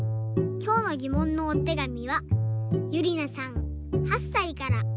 きょうのぎもんのおてがみはゆりなさん８さいから。